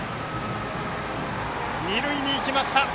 二塁に行きました。